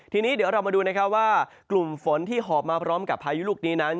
ทีนี้เดี๋ยวเรามาดูนะครับว่ากลุ่มฝนที่หอบมาพร้อมกับพายุลูกนี้นั้น